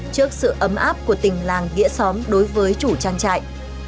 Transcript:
trước sự ấm áp của tình làng nghĩa xóm đối với chủ trang trại